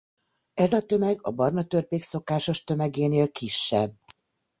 Ez a tömeg a barna törpék szokásos tömegénél kisebb.